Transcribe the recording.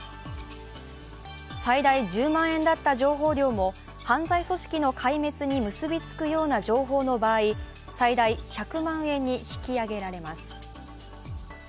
最大１０万円だった情報料も犯罪組織の壊滅に結びつくような情報の場合、最大１００万円に引き上げられます。